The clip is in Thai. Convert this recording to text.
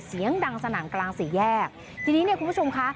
เสียงดังสนั่นกลางสี่แยกทีนี้เนี่ยคุณผู้ชมค่ะ